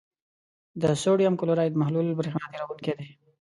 د سوډیم کلورایډ محلول برېښنا تیروونکی دی.